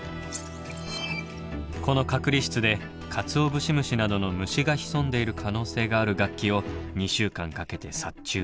この隔離室でカツオブシムシなどの虫が潜んでいる可能性がある楽器を２週間かけて殺虫。